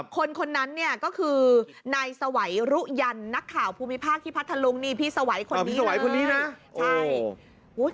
คนคนนั้นเนี่ยก็คือนายสวัยรุยันนักข่าวภูมิภาคที่พัทธลุงนี่พี่สวัยคนนี้นะใช่